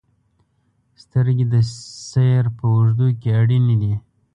• سترګې د سیر په اوږدو کې اړینې دي.